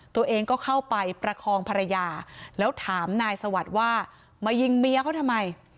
ตัวเองก็เข้าไปประคองภรรยาแล้วถามนายสวัสดิ์ว่ามายิงเมียเขาทำไม